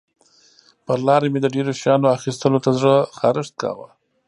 پر لاره مې د ډېرو شیانو اخیستلو ته زړه خارښت کاوه.